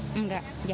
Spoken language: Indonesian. tapi kalau misalnya